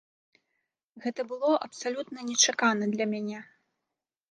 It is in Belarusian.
Гэта было абсалютна нечакана для мяне.